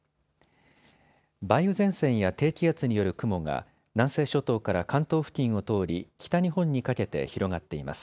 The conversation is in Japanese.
梅雨前線や低気圧による雲が南西諸島から関東付近を通り、北日本にかけて広がっています。